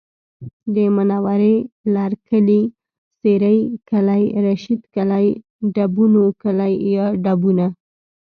د منورې لرکلی، سېرۍ کلی، رشید کلی، ډبونو کلی یا ډبونه